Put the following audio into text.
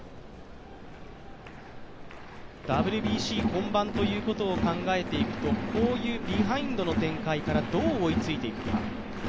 ＷＢＣ本番ということを考えていくとこういうビハインドの展開からどう追いついていくか。